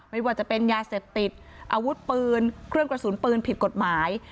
ไม่ว่าจะเป็นยาเสพติดอาวุธปืนเครื่องกระสุนปืนผิดกฎหมาย